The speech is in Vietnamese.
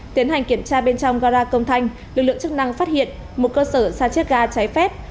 tiến hành kiểm tra bên trong gara công thanh lực lượng chức năng phát hiện một cơ sở sa chiết ga trái phép